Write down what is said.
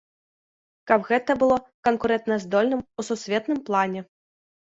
Каб гэта было канкурэнтаздольна ў сусветным плане.